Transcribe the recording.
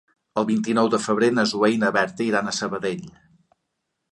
El vint-i-nou de febrer na Zoè i na Berta iran a Sabadell.